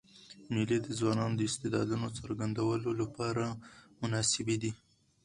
مېلې د ځوانانو د استعدادونو څرګندولو له پاره مناسبي دي.